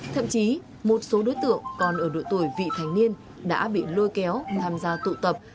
thậm chí một số đối tượng còn ở độ tuổi vị thành niên đã bị lôi kéo tham gia tụ tập